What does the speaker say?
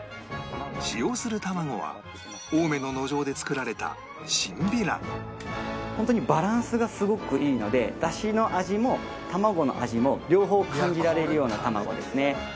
使用する卵は青梅の農場で作られた本当にバランスがすごくいいので出汁の味も卵の味も両方感じられるような卵ですね。